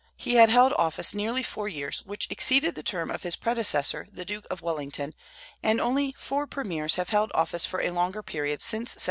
He had held office nearly four years, which exceeded the term of his predecessor the Duke of Wellington; and only four premiers have held office for a longer period since 1754.